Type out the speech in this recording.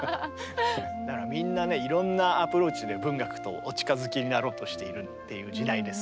みんなねいろんなアプローチで文学とお近づきになろうとしているっていう時代です